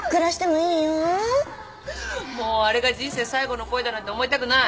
もうあれが人生最後の恋だなんて思いたくない。